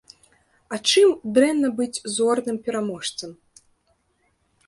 А чым дрэнна быць зорным пераможцам?